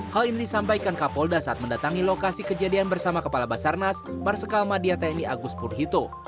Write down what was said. hal ini disampaikan kapolda saat mendatangi lokasi kejadian bersama kepala basarnas marsikal madia tni agus purhito